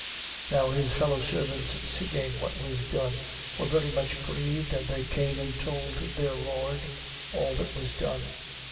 18:31. Now his fellow servants seeing what was done, were very much grieved, and they came, and told their lord all that was done.